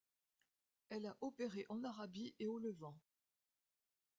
Elle a opéré en Arabie et au Levant.